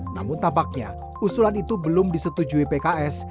namun tampaknya usulan itu belum disetujui pks